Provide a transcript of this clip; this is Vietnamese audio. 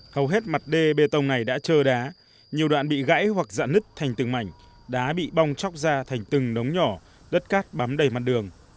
hầu hết mặt đê bê tông này đã trơ đá nhiều đoạn bị gãy hoặc dạ nứt thành từng mảnh đá bị bong chóc ra thành từng đống nhỏ đất cát bắm đầy mặt đường